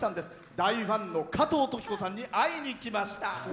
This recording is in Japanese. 大ファンの加藤登紀子さんに会いに来ました。